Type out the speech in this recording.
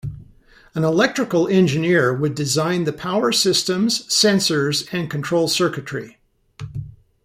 An electrical engineer would design the power systems, sensors, and control circuitry.